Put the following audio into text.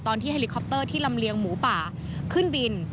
เฮลิคอปเตอร์ที่ลำเลียงหมูป่าขึ้นบิน